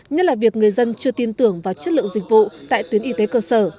nhất là việc người dân chưa tin tưởng vào chất lượng dịch vụ tại tuyến y tế cơ sở